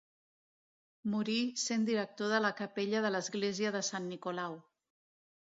Morí sent director a la capella de l'església de Sant Nicolau.